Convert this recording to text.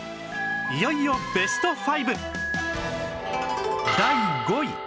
いよいよベスト５